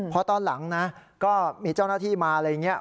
พอตอนหลังนะก็มีเจ้าหน้าที่มาอะไรอย่างนี้